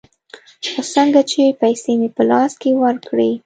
خو څنگه چې پيسې مې په لاس کښې ورکړې.